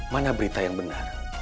mana berita yang benar